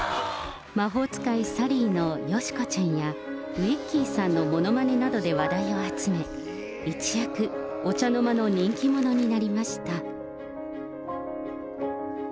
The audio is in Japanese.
魔法使いサリーのよし子ちゃんや、ウィッキーさんのものまねなどで話題を集め、一躍、お茶の間の人気者になりました。